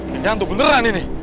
yang jantung beneran ini